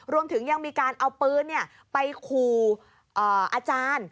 รวมถึงยังมีการเอาปืนไปขู่อาจารย์